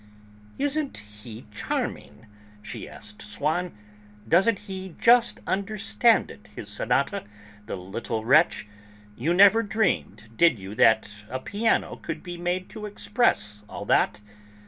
"Isn't he charming?" she asked Swann, "doesn't he just understand it, his sonata, the little wretch? You never dreamed, did you, that a piano could be made to express all that?